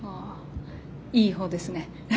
いい方ですね。